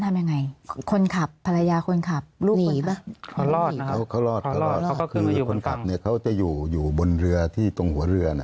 คือคนขับเนี่ยเขาจะอยู่บนเรือที่ตรงหัวเรือน่ะ